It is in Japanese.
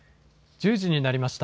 １０時になりました。